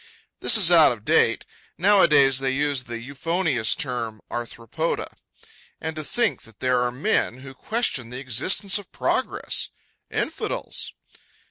This is out of date. Nowadays, they use the euphonious term 'Arthropoda.' And to think that there are men who question the existence of progress! Infidels!